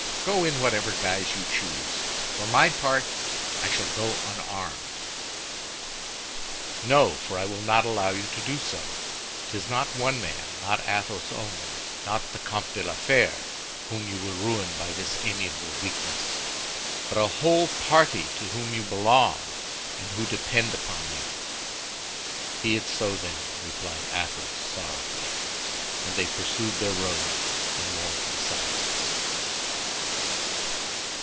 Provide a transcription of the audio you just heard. Go in whatever guise you choose; for my part, I shall go unarmed." "No, for I will not allow you to do so. 'Tis not one man, not Athos only, not the Comte de la Fere whom you will ruin by this amiable weakness, but a whole party to whom you belong and who depend upon you." "Be it so then," replied Athos, sorrowfully. And they pursued their road in mournful silence.